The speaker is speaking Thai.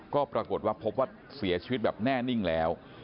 ก็ปรากฏว่าพบว่าเสียชีวิตแบบแน่นิ่งแล้ว